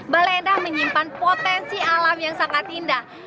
baleda menyimpan potensi alam yang sangat indah